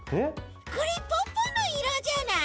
これポッポのいろじゃない？